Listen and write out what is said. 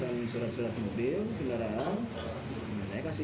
tinggal di badasuka